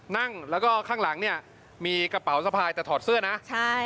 นั่งแล้วก็ข้างหลังเนี่ยมีกระเป๋าสะพายแต่ถอดเสื้อนะใช่